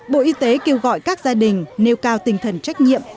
bộ y tế kêu gọi các gia đình nêu cao tinh thần trách nhiệm